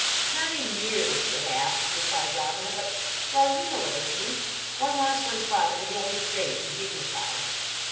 "Not in years perhaps," replied Robina, "but—well, you know what I mean. One wants one's father to be always great and dignified."